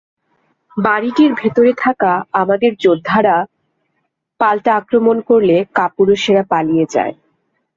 বাড়িটির ভেতরে থাকা আমাদের যোদ্ধারা পাল্টা আক্রমণ করলে কাপুরুষেরা পালিয়ে যায়।